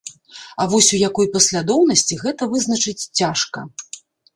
А вось у якой паслядоўнасці, гэта вызначыць цяжка.